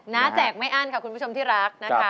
นะแจกไม่อั้นค่ะคุณผู้ชมที่รัก